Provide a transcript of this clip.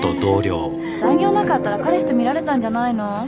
残業なかったら彼氏と見られたんじゃないの？